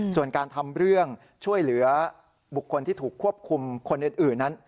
ส่วนการทำเรื่องช่วยเหลือบุคคลที่ถูกควบคุมคนอื่นนั้น